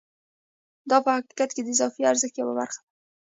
دا په حقیقت کې د اضافي ارزښت یوه برخه ده